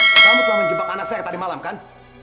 kamu telah menjebak anak saya tadi malam kan